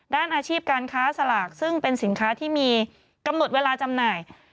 ด้านอาชีพการค้าสลากซึ่งเป็นสินค้าที่มีกำหนดเวลาจำหน่าย